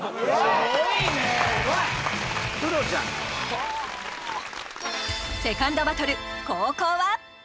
すごいねセカンドバトル後攻は？